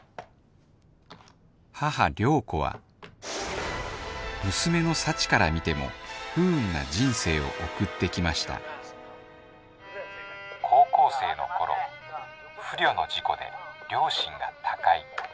母涼子は娘の幸から見ても不運な人生を送ってきました高校生の頃不慮の事故で両親が他界。